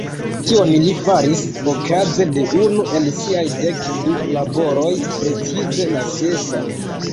Tion li faris okaze de unu el siaj dek du laboroj, precize la sesa.